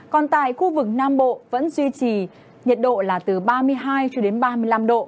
còn tại khu vực nam bộ vẫn duy trì nhiệt độ là từ ba mươi hai cho đến ba mươi năm độ